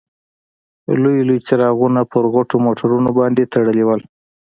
لوی لوی څراغونه پر غټو موټرونو باندې تړلي وو.